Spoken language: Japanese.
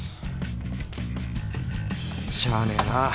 しゃあねえな。